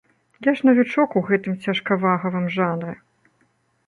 Я ж навічок у гэтым цяжкавагавым жанры.